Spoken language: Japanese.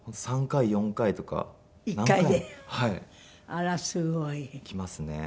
あらすごい。来ますね。